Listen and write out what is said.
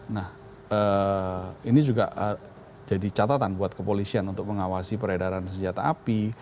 nah ini juga jadi catatan buat kepolisian untuk mengawasi peredaran senjata api